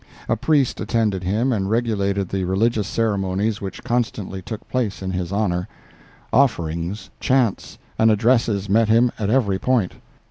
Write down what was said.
A priest attended him and regulated the religious ceremonies which constantly took place in his honor; offerings, chants and addresses met him at every point.